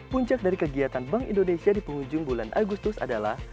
puncak dari kegiatan bank indonesia di penghujung bulan agustus adalah